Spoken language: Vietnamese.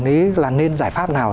đấy là nên giải pháp nào